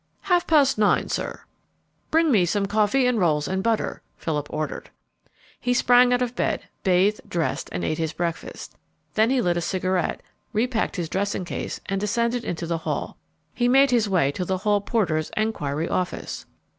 "Half past nine, sir." "Bring me some coffee and rolls and butter," Philip ordered. He sprang out of bed, bathed, dressed, and ate his breakfast. Then he lit a cigarette, repacked his dressing case, and descended into the hall. He made his way to the hall porter's enquiry office.